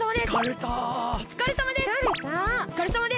おつかれさまです！